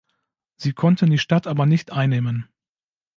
Sie konnten die Stadt aber nicht einnehmen.